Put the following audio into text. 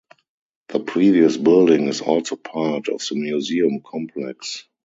The previous building is also part of the Museum complex.